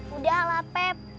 udah lah pep